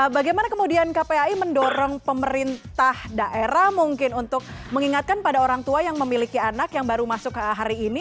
bagaimana kemudian kpai mendorong pemerintah daerah mungkin untuk mengingatkan pada orang tua yang memiliki anak yang baru masuk hari ini